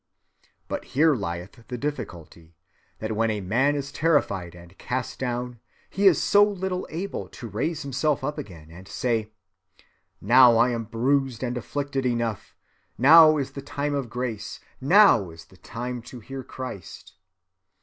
But here lieth the difficulty, that when a man is terrified and cast down, he is so little able to raise himself up again and say, 'Now I am bruised and afflicted enough; now is the time of grace; now is the time to hear Christ.